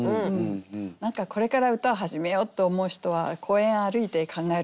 何かこれから歌を始めようって思う人は公園歩いて考えるかもしれないし。